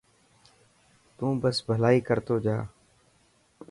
تون بس ڀلائ ڪر تو جا.